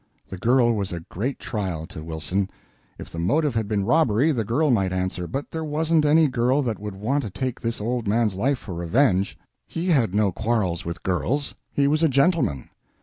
The girl was a great trial to Wilson. If the motive had been robbery, the girl might answer; but there wasn't any girl that would want to take this old man's life for revenge. He had no quarrels with girls; he was a gentleman.